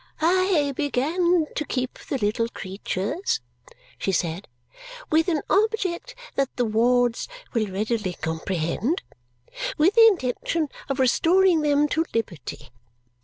"I began to keep the little creatures," she said, "with an object that the wards will readily comprehend. With the intention of restoring them to liberty.